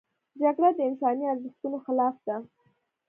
جګړه د انساني ارزښتونو خلاف ده